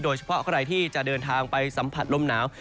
โดยเฉพาะใครที่จะเดินทางไปสัมผัสลมหนาว